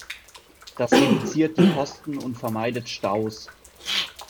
Das reduziert die Kosten und vermeidet Staus.